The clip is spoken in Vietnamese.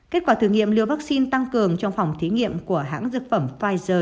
kết quả thử nghiệm liều vắc xin tăng cường trong phòng thí nghiệm của hãng dược phẩm pfizer